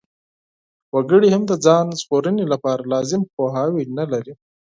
وګړي هم د ځان ژغورنې لپاره لازم پوهاوی نلري.